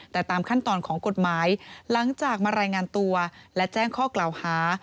แต่ตามขั้นตอนของกฎหมายหลังจากมารายงานตัวและแจ้งข้อกล่าวหา